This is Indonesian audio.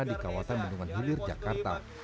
di kawasan bendungan hilir jakarta